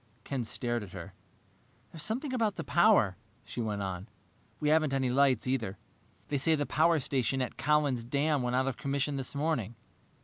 Ken stared at her. "There's something about the power," she went on. "We haven't any lights, either. They say the power station at Collin's Dam went out of commission this morning.